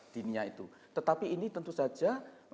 dunia itu tetapi ini tentu saja